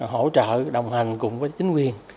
hỗ trợ đồng hành cùng với chính quyền